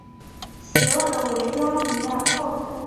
邪恶的维拉米尔寇等。